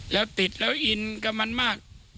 แล้วติดแล้วอินกับมันมาก